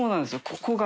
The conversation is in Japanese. ここが。